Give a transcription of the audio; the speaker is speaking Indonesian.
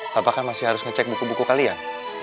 mbah mbah kan masih harus ngecek buku buku kalian